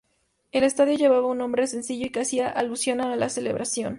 El estadio llevaba un nombre sencillo y que hacia alusión a la celebración.